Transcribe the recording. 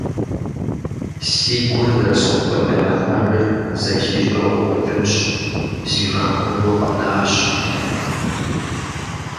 Си гур зэрысхубгъэдэмыхьэжыр зэхищӏэу къыщӏэкӏынщ, зишхыхьыжу къэнащ.